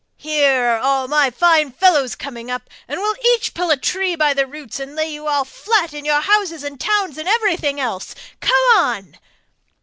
Here are all my fine fellows coming up and we'll each pull up a tree by the roots and lay you all flat and your houses and towns and everything else! Come on!